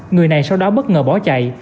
người này sau đó bất ngờ bỏ chạy